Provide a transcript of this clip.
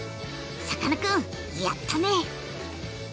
さかなクンやったね！